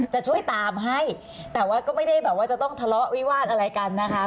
จะช่วยตามให้แต่ว่าก็ไม่ได้แบบว่าจะต้องทะเลาะวิวาสอะไรกันนะคะ